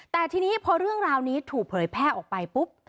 แต่ทีนี้พอเรื่องราวนี้ถูกเผยแพร่ออกไปปุ๊บ